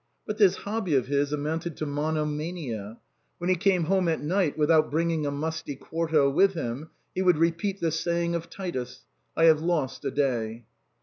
But this hobby of his amounted to a monomania : when he came home at night without bringing a musty quarto with him, he would repeat the saying of Titus, " I have lost a day."